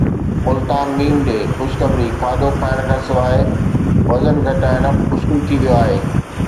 ملتان (م ڊ) خوشخبري کاڌو کائڻ کانسواءِ وزن گھٽائڻ مشڪل ٿي ويو آهي.